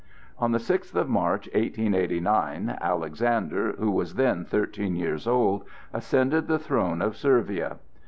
On the sixth of March, 1889, Alexander, who was then thirteen years old, ascended the throne of Servia.